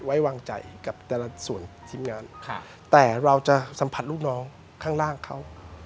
ไว้วางใจกับแต่ละส่วนทีมงานแต่เราจะสัมผัสลูกน้องข้างล่างเขา